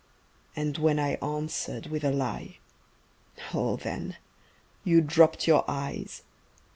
And when I answered with a lie. Oh then You dropped your eyes.